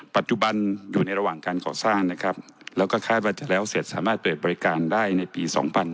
ปัจจุบันอยู่ในระหว่างการก่อสร้างนะครับแล้วก็คาดว่าจะแล้วเสร็จสามารถเปิดบริการได้ในปี๒๕๕๙